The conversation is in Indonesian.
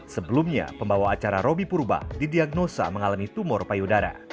sebelumnya pembawa acara robby purba didiagnosa mengalami tumor payudara